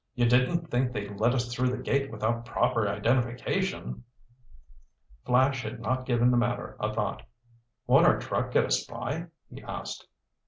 You didn't think they'd let us through the gate without proper identification?" Flash had not given the matter a thought. "Won't our truck get us by?" he asked.